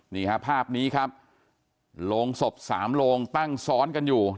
นี่ฮะภาพนี้ครับโรงศพสามโลงตั้งซ้อนกันอยู่